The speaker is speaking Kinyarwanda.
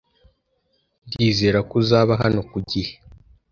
Ndizera ko uzaba hano ku gihe.